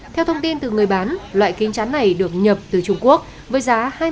theo thông tin từ người bán loại kính chắn này được nhập từ trung quốc với giá hai mươi đồng một chiếc